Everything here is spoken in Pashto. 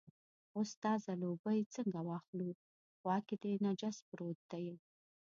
اوس ستا ځلوبۍ څنګه واخلو، خوا کې دې نجس پروت دی.